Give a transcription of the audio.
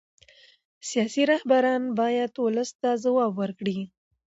سیاسي رهبران باید ولس ته ځواب ورکړي